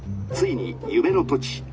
ついに夢の土地